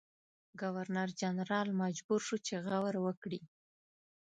ګورنرجنرال مجبور شو چې غور وکړي.